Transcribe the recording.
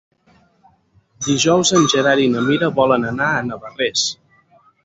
Dijous en Gerard i na Mira volen anar a Navarrés.